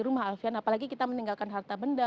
rumah alfian apalagi kita meninggalkan harta benda